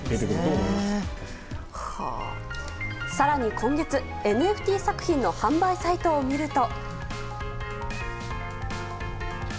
更に今月、ＮＦＴ作品の販売サイトを見ると。